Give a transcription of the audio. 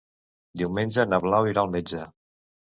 Diumenge na Blau irà al metge.